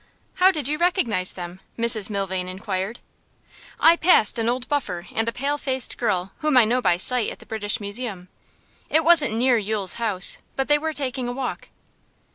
'How did you recognise them?' Mrs Milvain inquired. 'I passed an old buffer and a pale faced girl whom I know by sight at the British Museum. It wasn't near Yule's house, but they were taking a walk.